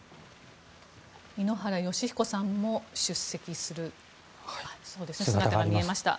井ノ原快彦さんも姿が見えました。